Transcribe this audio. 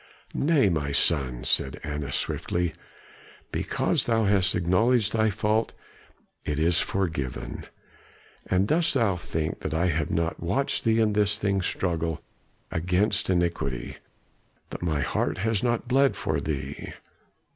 "Nay, my son," said Annas softly, "because thou hast acknowledged thy fault, it is forgiven. And dost think that I have not watched thee in this thy struggle against iniquity; that my heart has not bled for thee?